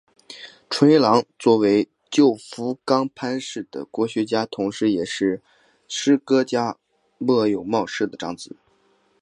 纯一郎作为旧福冈藩士的国学家同是也是诗歌家末永茂世的长子。